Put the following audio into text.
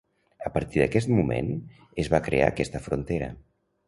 A partir d'aquest moment es va crear aquesta frontera.